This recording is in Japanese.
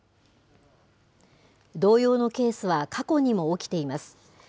同様のケースは過去にも起きています。